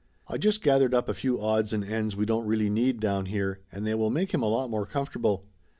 I just gathered up a few odds and ends we don't really need down here and they will make him a lot more comfortable.